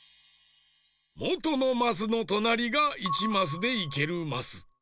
もとのマスのとなりが１マスでいけるマス。